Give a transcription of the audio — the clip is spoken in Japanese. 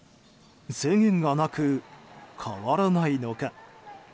制限がなく変わらないのか？